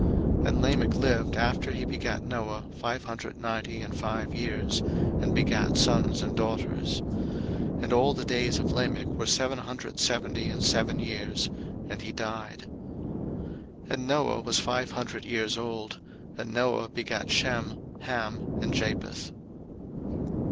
01:005:030 And Lamech lived after he begat Noah five hundred ninety and five years, and begat sons and daughters: 01:005:031 And all the days of Lamech were seven hundred seventy and seven years: and he died. 01:005:032 And Noah was five hundred years old: and Noah begat Shem, Ham, and Japheth.